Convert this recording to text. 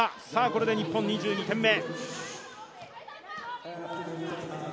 これで日本、２２点目。